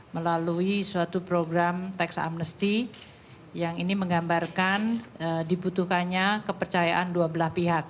melalui suatu program tax amnesty yang ini menggambarkan dibutuhkannya kepercayaan dua belah pihak